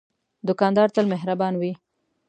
دوکاندار تل مهربان وي.